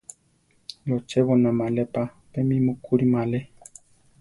Lochéboname ale pa, pe mi mukúrima alé.